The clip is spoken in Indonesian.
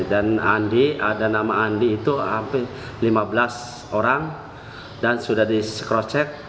dan andi ada nama andi itu hampir lima belas orang dan sudah di crosscheck